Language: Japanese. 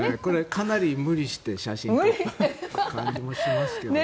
かなり無理して写真を撮っている感じもしますけどね。